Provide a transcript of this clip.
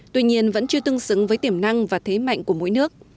tuy nhiên vẫn chưa tương xứng với tiềm năng và thế mạnh của mỗi nước